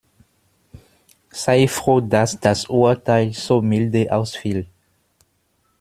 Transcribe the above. Sei froh, dass das Urteil so milde ausfiel.